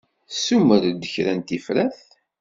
Tessumer-d kra n tifrat?